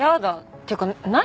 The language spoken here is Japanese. っていうか何？